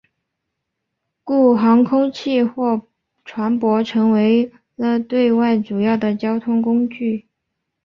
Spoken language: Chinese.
故航空器或船舶成为了对外主要的交通工具。